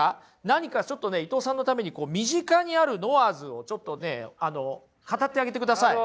何かちょっとね伊藤さんのために身近にあるノワーズをちょっとね語ってあげてください。